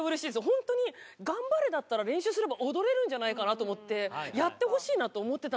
本当にガンバレだったら練習すれば踊れるんじゃないかなと思ってやってほしいなと思ってたんですよ。